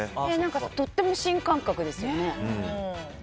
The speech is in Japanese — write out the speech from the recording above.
とても新感覚ですね。